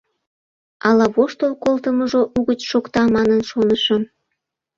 Ала воштыл колтымыжо угыч шокта манын шонышым.